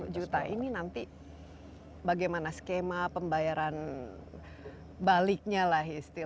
satu ratus lima puluh juta ini nanti bagaimana skema pembayaran baliknya lah ya sih